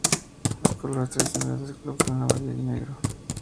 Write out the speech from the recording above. Los colores tradicionales del club son el amarillo y el negro.